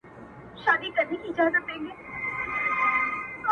له نه مړو ملک، سو ميرو.